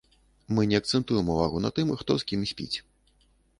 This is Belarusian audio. Мы не акцэнтуем увагу на тым, хто з кім спіць.